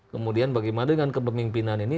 kemudian bagaimana dengan kepemimpinan ini